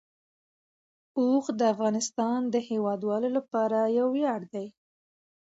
اوښ د افغانستان د هیوادوالو لپاره یو ویاړ دی.